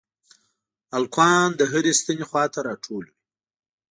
هلکان د هرې ستنې خواته راټول وي.